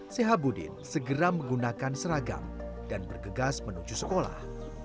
sehabudin segera menggunakan seragam dan bergegas menuju sekolah